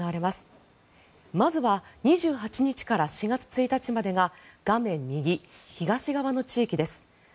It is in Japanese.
まずは２８日から４月１日までが画面右、東側の地域です。